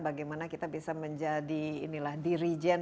bagaimana kita bisa menjadi inilah dirijen